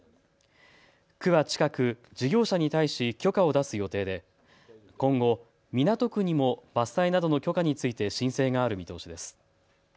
区は近く事業者に対し許可を出す予定で今後、港区にも伐採などの許可について申請がある見通しです。